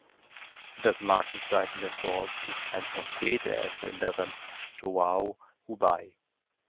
Das Markenzeichen der Sauce ist ein Porträt der Erfinderin Tao Hubei.